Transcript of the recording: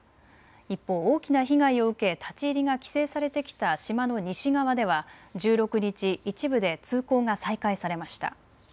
一方、大きな被害を受け立ち入りが規制されてきた島の西側では１６日、一部で通行が再開されました。